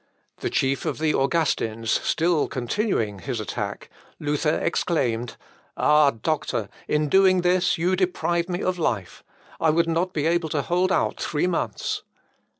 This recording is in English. The chief of the Augustins, still continuing his attack, Luther exclaimed, "Ah! doctor, in doing this, you deprive me of life. I would not be able to hold out three months."